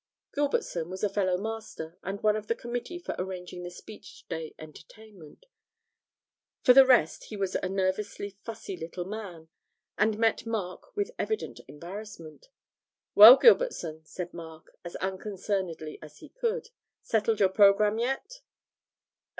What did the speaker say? Gilbertson was a fellow master, and one of the committee for arranging the Speech day entertainment. For the rest he was a nervously fussy little man, and met Mark with evident embarrassment. 'Well, Gilbertson,' said Mark, as unconcernedly as he could, 'settled your programme yet?'